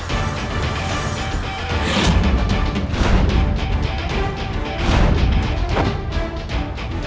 biar aku yang hadap